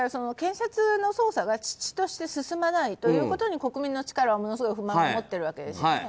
検察の捜査が遅々として進まないということに国民の力は、ものすごい不満を持っているわけです。